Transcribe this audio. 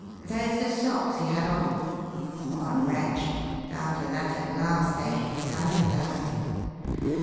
Those the socks he had on? Poor wretch! Down to that at last, eh? down to that!